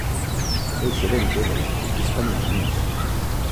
Foi xerente de Electricista Mindoniense.